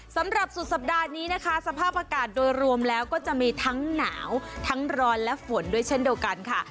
สำหรับสุดสัปดาห์นี้นะคะสภาพอากาศโดยรวมแล้วก็จะมีทั้งหนาวทั้งร้อนและฝนด้วยเช่นเดียวกันค่ะ